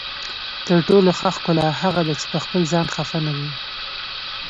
تر ټولو ښه ښکلا هغه ده چې پخپل ځان خفه نه وي.